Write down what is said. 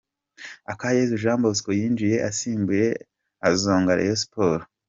Akayezu Jean Bosco yinjiye asimbuye azonga Rayon Sports.